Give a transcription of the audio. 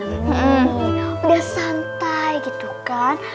udah santai gitu kan